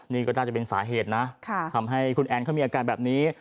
นี่ก็น่าจะเป็นสาเหตุนะทำให้คุณแอนเขามีอาการแบบนี้